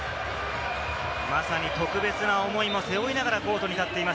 まさに特別な思いも背負いながらコートに立っています